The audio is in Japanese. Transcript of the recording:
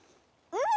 うん！